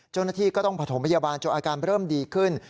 เจ้าหน้าที่ก็ต้องผสมพยาบาลจนอาการเริ่มดีขึ้น